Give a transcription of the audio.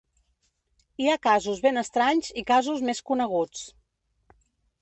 Hi ha casos ben estranys i casos més coneguts.